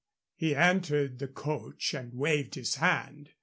He entered the coach and waved his hand.